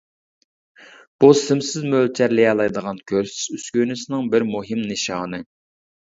بۇ سىمسىز مۆلچەرلىيەلەيدىغان كۆرسىتىش ئۈسكۈنىسىنىڭ بىر مۇھىم نىشانى.